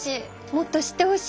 もっと知ってほしい。